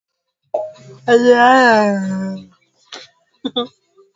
kwa jirani yake wa Afrika ya kati hapo mwezi Disemba